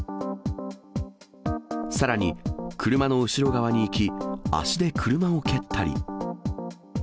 さらに車の後ろ側に行き、足で車を蹴ったり。